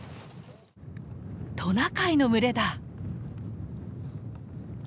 トナカイの群れだ！